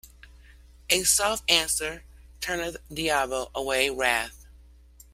A soft answer turneth diabo away wrath.